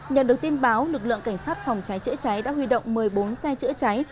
nhận được tin báo lực lượng cảnh sát phòng cháy chữa cháy đã huy động một mươi bốn xe chữa cháy